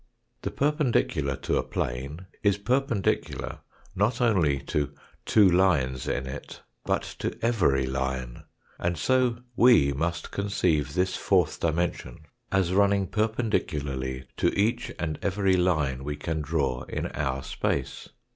The perpendicular to a plane is perpendicular, not only to two lines in it, but to every line, and so we must conceive this fourth dimension as running perpendicularly to each and every line we can draw in our space.